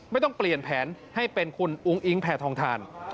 ไม่ต้องเปลี่ยนแผนให้เป็นคุณอุ้งอิงแผ่ทองทาน